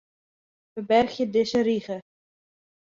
Ferbergje dizze rige.